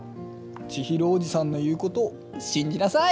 千尋叔父さんの言うことを信じなさい！